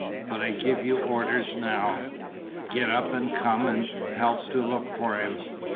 But I give you orders now; get up and come and help to look for him.